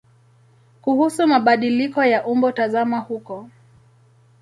Kuhusu mabadiliko ya umbo tazama huko.